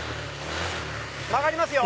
曲がりますよ。